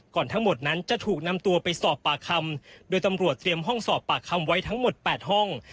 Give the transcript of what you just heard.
ทั้งหมดนั้นจะถูกนำตัวไปสอบปากคำโดยตำรวจเตรียมห้องสอบปากคำไว้ทั้งหมด๘ห้อง